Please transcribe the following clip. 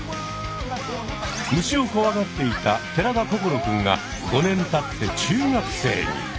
虫をこわがっていた寺田心くんが５年たって中学生に。